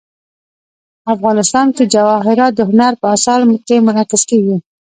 افغانستان کې جواهرات د هنر په اثار کې منعکس کېږي.